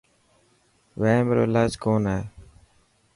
وحم رو علاج ڪونه هي.